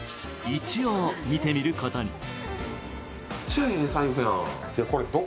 一応見てみることに。